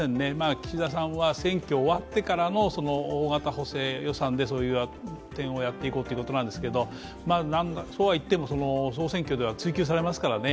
岸田さんは選挙終わってからの大型補正予算でそういう点をやっていこうということなんですけどそうはいっても総選挙では追及されますからね。